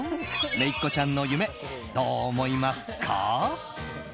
めいっ子ちゃんの夢どう思いますか？